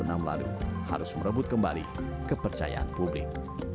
kepada dua ribu enam lalu harus merebut kembali kepercayaan publik